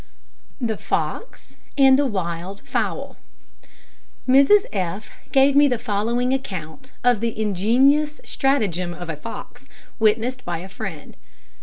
THE FOX AND THE WILD FOWL. Mrs F gave me the following account of the ingenious stratagem of a fox, witnessed by a friend.